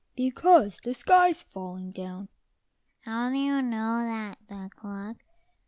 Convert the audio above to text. "Because the sky's falling down." "How do you know that, Duck luck?"